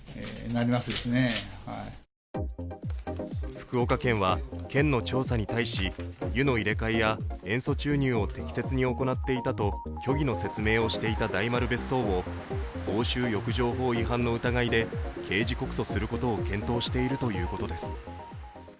福岡県は県の調査に対し湯の入れ替えや塩素注入を適切に行っていたと虚偽の説明をしていた大丸別荘を公衆浴場法違反の疑いで刑事告訴することを検討しているということです。